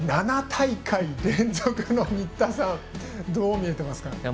７大会連続の新田さん、どう見えてますか。